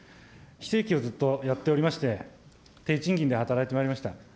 非正規をずっとやっておりまして、低賃金で働いてまいりました。